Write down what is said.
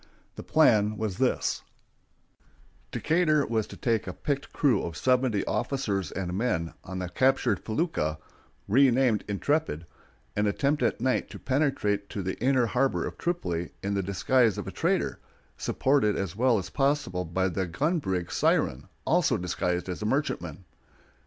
The plan was this: Decatur was to take a picked crew of seventy officers and men on the captured felucca (renamed Intrepid), and attempt at night to penetrate to the inner harbor of Tripoli in the disguise of a trader, supported as well as possible by the gun brig Siren, also disguised as a merchantman.